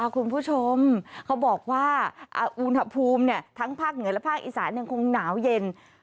คุณผู้ชมเขาบอกว่าอุณหภูมิทั้งภาคเหนือและภาคอีสานยังคงหนาวเย็น